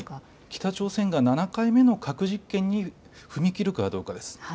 北朝鮮が７回目の核実験に踏み切るかどうかです。